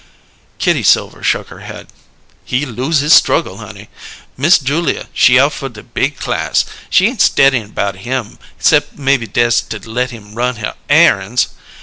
Kitty Silver shook her head. "He lose his struggle, honey! Miss Julia, she out fer the big class. She ain't stedyin' about him 'cept maybe dess to let him run her erran's.